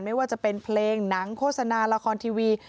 ไม่ว่าจะเป็นเพลงหนังโฆษณาละครทีวี